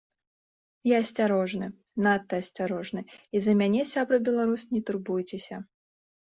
Я асцярожны, надта асцярожны, і за мяне, сябра беларус, не турбуйцеся.